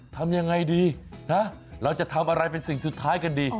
ทำยังไงดีนะเราจะทำอะไรเป็นสิ่งสุดท้ายกันดี